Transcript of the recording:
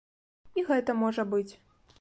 І гэта можа быць.